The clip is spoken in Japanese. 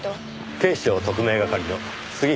警視庁特命係の杉下です。